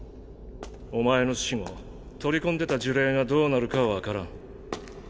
お前の死後取り込んでた呪霊がどうなるか分からん。